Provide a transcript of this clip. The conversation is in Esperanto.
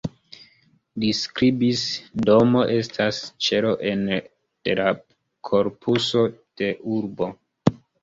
Li skribis:"Domo estas ĉelo ene de la korpuso de urbo.